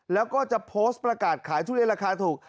แล้วก็จะโพสต์ประกาศขายทุเรียนราคาถูก